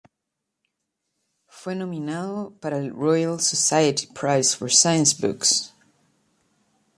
Fue nominado para el Royal Society Prize for Science Books.